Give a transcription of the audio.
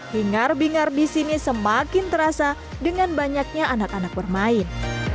hingar bingar di sini semakin terasa dengan banyaknya anak anak bermain